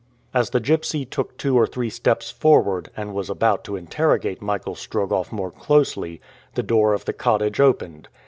As the gypsy took two or three steps forward, and was about to interrogate Michael Strogoff more closely, the door of the cottage opened.